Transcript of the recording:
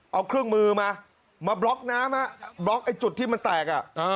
เอาเครื่องมือมามาบล็อกน้ำบล็อกไอ้จุดที่มันแตก